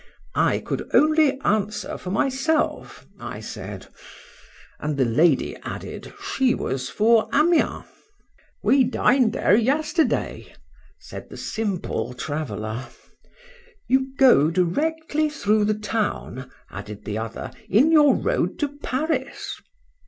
—I could only answer for myself, I said; and the lady added, she was for Amiens.—We dined there yesterday, said the Simple Traveller.—You go directly through the town, added the other, in your road to Paris.